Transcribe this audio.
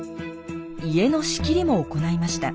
家の仕切りも行いました。